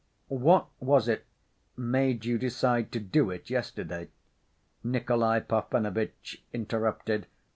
"What was it made you decide to do it yesterday?" Nikolay Parfenovitch interrupted.